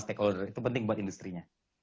stakeholder itu penting buat industri nya